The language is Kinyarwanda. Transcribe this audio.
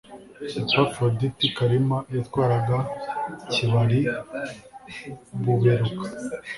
Epafroditi Kalima yatwaraga KibariBuberuka